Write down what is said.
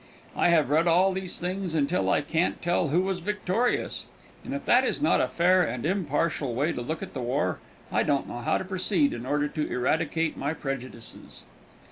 I have read all these things until I can't tell who was victorious, and if that is not a fair and impartial way to look at the war, I don't know how to proceed in order to eradicate my prejudices.